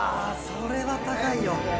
それは高いよ。